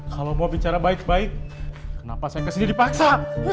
kalau mau bicara baik baik kenapa saya kesini dipaksa